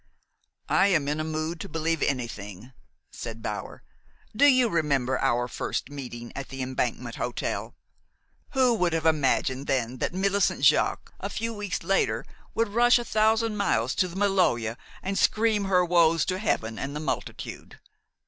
"I am in a mood to believe anything," said Bower. "Do you remember our first meeting at the Embankment Hotel? Who would have imagined then that Millicent Jaques, a few weeks later, would rush a thousand miles to the Maloja and scream her woes to Heaven and the multitude.